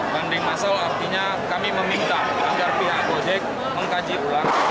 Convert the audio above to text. banding masal artinya kami meminta agar pihak gojek mengkaji ulang